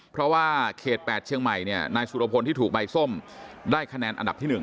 เพราะว่าเขต๘เชียงใหม่เนี่ยนายสุรพลที่ถูกใบส้มได้คะแนนอันดับที่๑